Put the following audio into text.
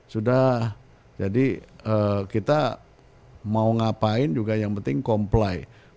sudah jadi kita mau ngapain juga yang penting comply